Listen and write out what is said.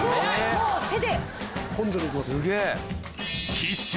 もう手で。